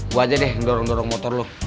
gue aja deh yang dorong dorong motor lu